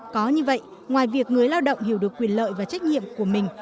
có như vậy ngoài việc người lao động hiểu được quyền lợi và trách nhiệm của mình